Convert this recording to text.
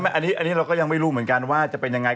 อันนี้เราก็ยังไม่รู้เหมือนกันว่าจะเป็นยังไง